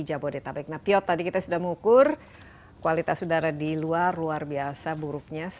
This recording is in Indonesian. jabodetabek nah piot tadi kita sudah mengukur kualitas udara di luar luar biasa buruknya satu ratus lima puluh satu